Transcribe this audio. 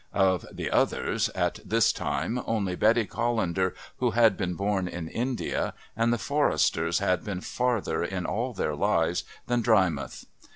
Of the "Others," at this time, only Betty Callender, who had been born in India, and the Forresters had been farther, in all their lives, than Drymouth.